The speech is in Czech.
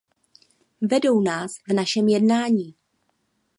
Vedou nás v našem jednání.